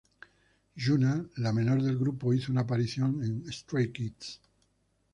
Yuna, la menor del grupo, hizo una aparición en "Stray Kids".